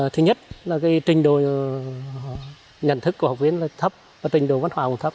thứ nhất là trình độ nhận thức của học viên thấp trình độ văn hóa thấp